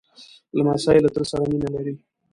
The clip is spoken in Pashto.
لمسی له تره سره مینه لري.